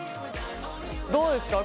どうですか？